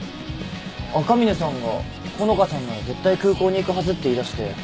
赤嶺さんが穂香さんなら絶対空港に行くはずって言いだして。